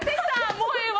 もうええわ。